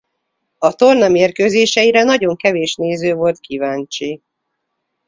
A torna mérkőzéseire nagyon kevés néző volt kíváncsi.